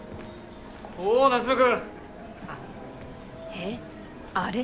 えっ？あれ？